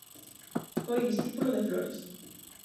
Foi discípulo de Flores.